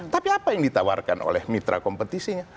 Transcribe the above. tapi apa yang ditawarkan oleh mitra kompetisinya